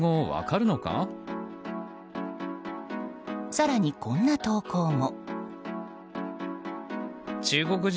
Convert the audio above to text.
更に、こんな投稿も。